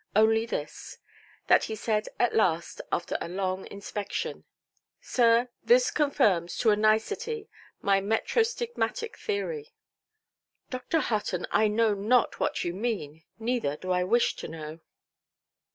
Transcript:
Only this, that he said at last, after a long inspection— "Sir, this confirms to a nicety my metrostigmatic theory". "Dr. Hutton, I know not what you mean, neither do I wish to know".